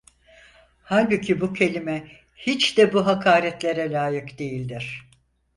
Halbuki bu kelime, hiç de bu hakaretlere lâyık değildir.